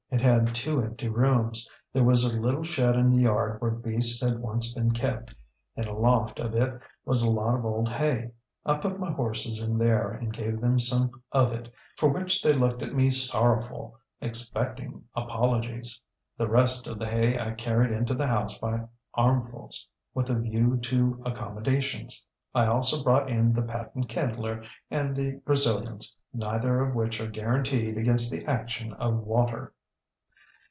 It had two empty rooms. There was a little shed in the yard where beasts had once been kept. In a loft of it was a lot of old hay. I put my horses in there and gave them some of it, for which they looked at me sorrowful, expecting apologies. The rest of the hay I carried into the house by armfuls, with a view to accommodations. I also brought in the patent kindler and the Brazilians, neither of which are guaranteed against the action of water.